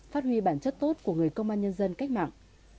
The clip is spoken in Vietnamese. phát huy bản chất tốt của người công an nhân dân cách mạng